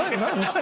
何？